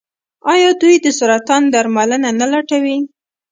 آیا دوی د سرطان درملنه نه لټوي؟